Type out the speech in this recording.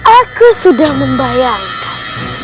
aku sudah membayangkan